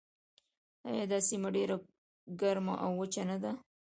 آیا دا سیمه ډیره ګرمه او وچه نه ده؟